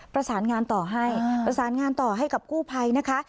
ประสานงานต่อให้ประสานงานต่อให้กับกู้ภัยนะคะ